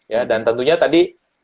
ya dan tentunya tadi